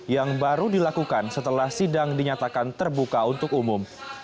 yang baru dilakukan setelah sidang dinyatakan terbuka untuk umum